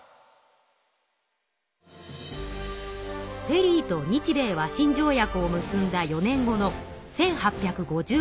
ペリーと日米和親条約を結んだ４年後の１８５８年。